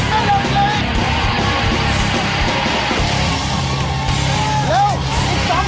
เร็วเร็วอีกทีลงอีกทีลง